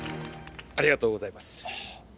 ありがとうございます。